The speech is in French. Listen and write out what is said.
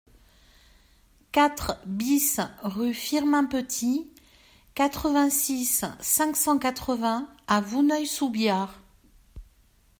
quatre BIS rue Firmin Petit, quatre-vingt-six, cinq cent quatre-vingts à Vouneuil-sous-Biard